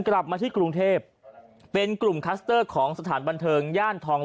กลับมาที่กรุงเทพเป็นกลุ่มคัสเตอร์ของสถานบันเทิงย่านทอง